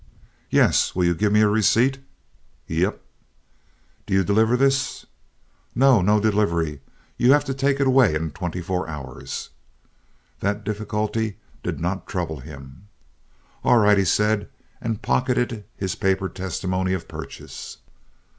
"Yes. Will you give me a receipt?" "Yep." "Do you deliver this?" "No. No delivery. You have to take it away in twenty four hours." That difficulty did not trouble him. "All right," he said, and pocketed his paper testimony of purchase.